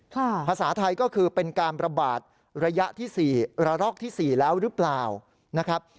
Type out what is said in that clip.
ภาษาไทยก็คือเป็นการประบาดระยะที่๔ระลอกที่๔แล้วหรือเปล่านะครับ